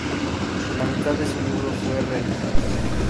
La mitad de ese libro fue reeditado.